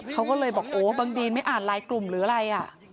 เขาก็เลยบอกโอ้บางดีนไม่อ่านไลน์กลุ่มหรืออะไร